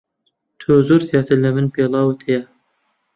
تۆ زۆر زیاتر لە من پێڵاوت ھەیە.